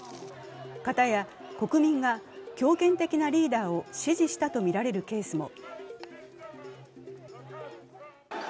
片や国民が強権的なリーダーを支持したとみられるケースも。